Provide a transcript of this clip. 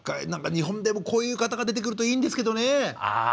日本でも、こういう方が出てくると、いいんですけどね。